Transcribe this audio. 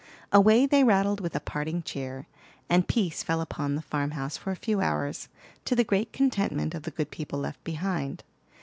Away they rattled with a parting cheer, and peace fell upon the farm house for a few hours, to the great contentment of the good people left behind.